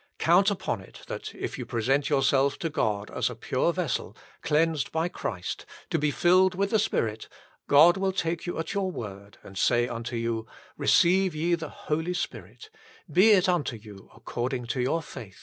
Count upon it that, if you present yourself to God as a pure vessel, cleansed by Christ, to be filled with the Spirit, God will take you at your word and say unto you :" Eeceive ye the Holy Spirit ; be it unto you according to your faith."